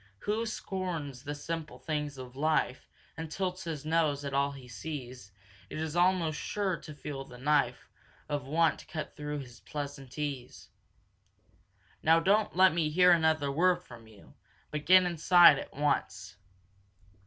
"Who scorns the simple things of life And tilts his nose at all he sees, Is almost sure to feel the knife Of want cut through his pleasant ease. "Now don't let me hear another word from you, but get inside at once!"